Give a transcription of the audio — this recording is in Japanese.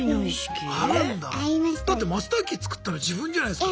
だってマスターキー作ったの自分じゃないすか。